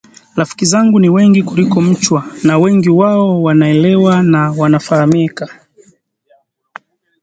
Rafiki zangu ni wengi kuliko mchwa na wengi wao wanaelewa na wanafahamika